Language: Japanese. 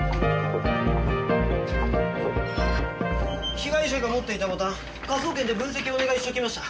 被害者が持っていたボタン科捜研で分析をお願いしておきました。